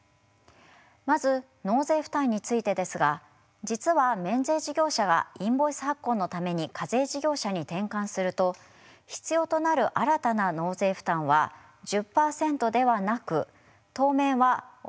まず納税負担についてですが実は免税事業者がインボイス発行のために課税事業者に転換すると必要となる新たな納税負担は１０％ではなく当面はおよそ２％です。